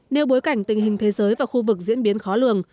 nếu bối cảnh tình hình thế giới và khu vực diễn biến khó lường